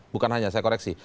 bukan hanya saya koreksi